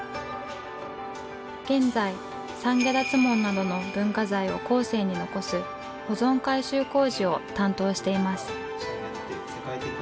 現在三解脱門などの文化財を後世に残す保存改修工事を担当しています。